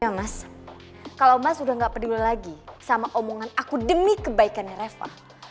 ya mas kalau mas udah gak peduli lagi sama omongan aku demi kebaikannya reva